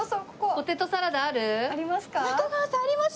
ポテトサラダです！